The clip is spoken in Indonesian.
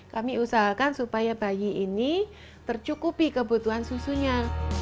kami usahakan supaya bayi ini tercukupi kebutuhan susunya